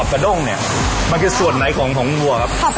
เมื่อมีส่วนไหนของวัว